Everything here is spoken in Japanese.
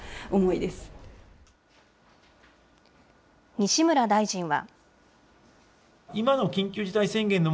西村大臣は。